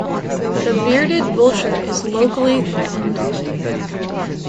The bearded vulture is locally threatened.